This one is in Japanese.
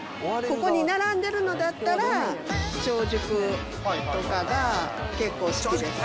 ここに並んでるのだったら、超熟とかが結構好きです。